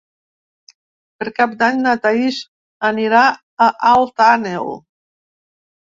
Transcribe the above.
Per Cap d'Any na Thaís anirà a Alt Àneu.